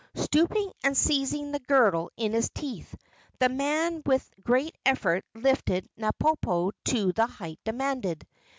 Stooping and seizing the girdle in his teeth, the man with a great effort lifted Napopo to the height demanded.